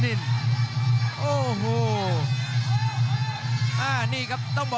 ศรีรินโอ้โหนี่ครับ